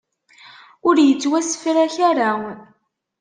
Ur yettwasefrak ara.